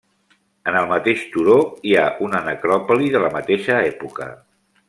En el mateix turó hi ha una necròpoli de la mateixa època.